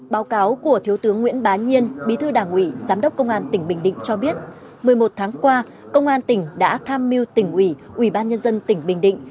báo cáo của thiếu tướng nguyễn bá nhiên bí thư đảng ủy giám đốc công an tỉnh bình định cho biết một mươi một tháng qua công an tỉnh đã tham mưu tỉnh ủy ủy ban nhân dân tỉnh bình định